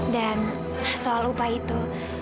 dan soal upah itu